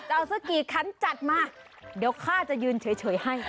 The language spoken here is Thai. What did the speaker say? สักกี่คันจัดมาเดี๋ยวข้าจะยืนเฉยให้